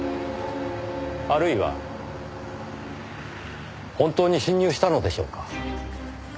あるいは本当に侵入したのでしょうか？